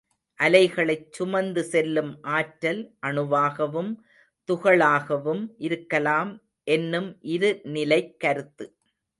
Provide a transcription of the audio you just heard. அலைகளைச் சுமந்து செல்லும் ஆற்றல் அணுவாகவும் துகளாகவும் இருக்கலாம் என்னும் இரு நிலைக் கருத்து.